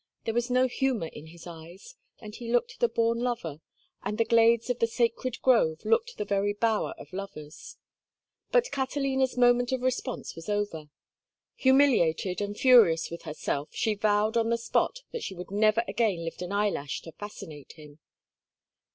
There was no humor in his eyes, and he looked the born lover; and the glades of the "sacred grove" looked the very bower of lovers. But Catalina's moment of response was over. Humiliated and furious with herself, she vowed on the spot that she would never again lift an eyelash to fascinate him.